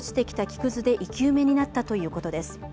木くずで生き埋めになったということです。